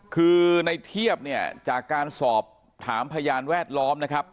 คือในเทียบเนี่ยจากการสอบถามพยานแวดล้อมนะครับ